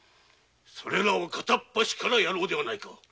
それらを片っ端からやろうではないか。